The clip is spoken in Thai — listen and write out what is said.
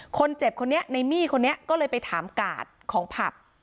คนเจ็บคนนี้ในมี่คนนี้ก็เลยไปถามกาดของผับ